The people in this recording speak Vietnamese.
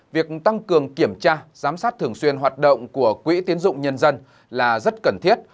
việc tăng cường kiểm tra giám sát thường xuyên hoạt động của quỹ tiến dụng nhân dân là rất cần thiết